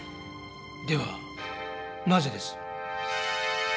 ではなぜです？